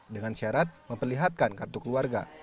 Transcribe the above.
dengan syarat memperlihatkan kartu keluarga